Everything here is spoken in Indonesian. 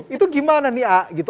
itu gimana nih ah